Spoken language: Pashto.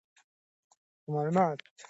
معلومات ورکول کېږي.